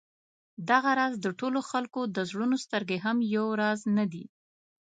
دغه راز د ټولو خلکو د زړونو سترګې هم یو راز نه دي.